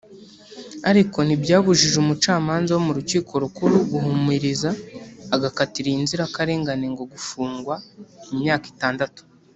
ariko ntibyabujije umucamanza wo mu rukiko rukuru guhumiriza agakatira iyi nzirakarengane ngo gufungwa imyaka itandatu